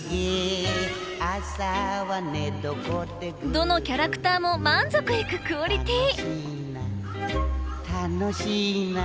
どのキャラクターも満足いくクオリティー！